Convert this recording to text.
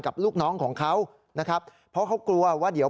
กับลูกน้องของเขาเพราะเขากลัวว่าเดี๋ยว